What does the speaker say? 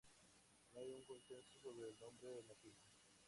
No hay un consenso sobre el nombre nativo.